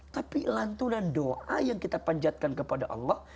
tapi lantunan doa yang kita panjatkan kepada allah